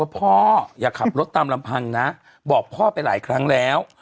พ่ออย่าขับรถตามลำพังนะบอกพ่อไปหลายครั้งแล้ว